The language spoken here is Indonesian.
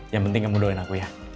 yang penting kamu doain aku ya